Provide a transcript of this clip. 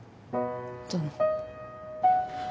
どうも。